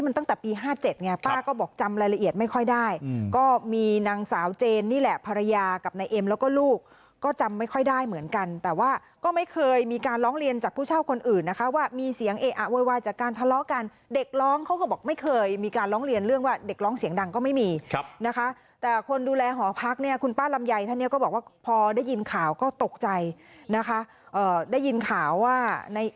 นี่แหละภรรยากับในเอ็มแล้วก็ลูกก็จำไม่ค่อยได้เหมือนกันแต่ว่าก็ไม่เคยมีการร้องเรียนจากผู้เช่าคนอื่นนะคะว่ามีเสียงเออะโวยวายจากการทะเลาะกันเด็กร้องเขาก็บอกไม่เคยมีการร้องเรียนเรื่องว่าเด็กร้องเสียงดังก็ไม่มีนะคะแต่คนดูแลหอพักเนี่ยคุณป้าลำไยท่านเนี่ยก็บอกว่าพอได้ยินข่าวก็ตกใจนะคะได้ยินข่า